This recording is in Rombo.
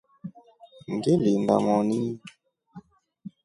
Ngilinda moni.